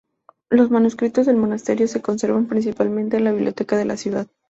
Los manuscritos del monasterio se conservan principalmente en la biblioteca de la ciudad.